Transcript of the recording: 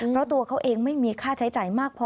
เพราะตัวเขาเองไม่มีค่าใช้จ่ายมากพอ